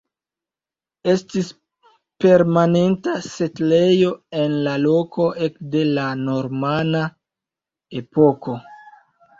Estis permanenta setlejo en la loko ekde la normana epoko.